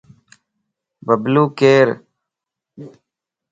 ببلو ڪير؟